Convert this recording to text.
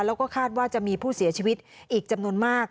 แล้วก็คาดว่าจะมีผู้เสียชีวิตอีกจำนวนมาก